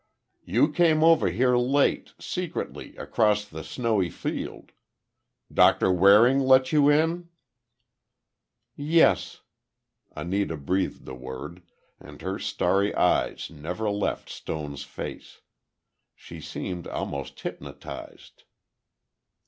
"You came over here late, secretly, across the snowy field. Doctor Waring let you in?" "Yes," Anita breathed the word, and her starry eyes never left Stone's face. She seemed almost hypnotized.